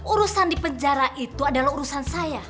urusan di penjara itu adalah urusan saya